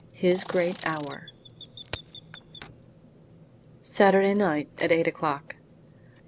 HIS GREAT HOUR Saturday night at eight o'clock.